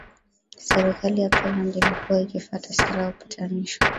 serikali ya poland ilikuwa ikifata sera ya upatanisho